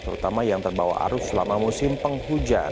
terutama yang terbawa arus selama musim penghujan